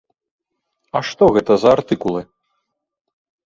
А што гэта за артыкулы?